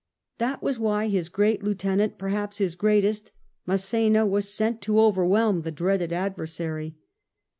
That was why his great lieutenant, perhaps his greatest, Mass^na, was sent to overwhelm the dreaded adversary.